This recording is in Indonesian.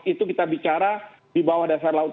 itu kita bicara di bawah dasar laut